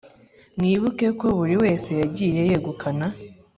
mwibuke ko buri wese yagiye yegukana